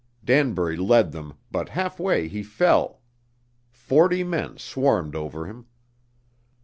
Danbury led them, but halfway he fell. Forty men swarmed over him.